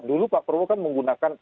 dulu pak prabowo kan menggunakan